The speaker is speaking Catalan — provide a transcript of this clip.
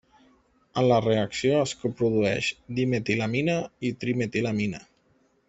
En la reacció es coprodueix dimetilamina i trimetilamina.